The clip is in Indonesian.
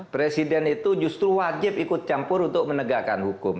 presiden itu justru wajib ikut campur untuk menegakkan hukum